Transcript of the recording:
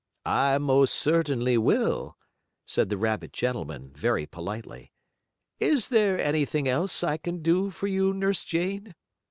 "I most certainly will," said the rabbit gentleman, very politely. "Is there anything else I can do for you, Nurse Jane?"